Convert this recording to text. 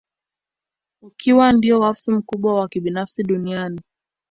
Ukiwa ndio wakfu mkubwa wa kibinafsi duniani